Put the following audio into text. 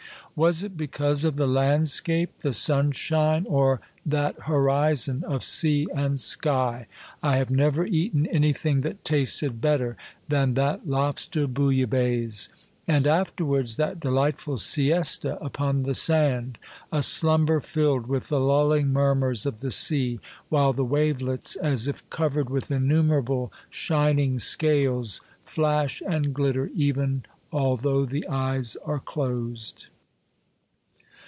Was it because of the landscape, the sunshine, or that horizon of sea and sky? I have never eaten anything that tasted better than that lobster bouilla baisse. And afterwards that delightful siesta upon the sand, — a slumber filled with the lulling mur murs of the sea, while the wavelets, as if covered with innumerable shining scales, flash and glitter, even although the eyes are closed.